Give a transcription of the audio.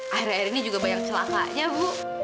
akhir akhir ini juga banyak celaka nya bu